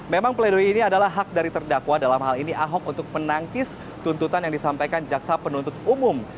memang pledoi ini adalah hak dari terdakwa dalam hal ini ahok untuk menangkis tuntutan yang disampaikan jaksa penuntut umum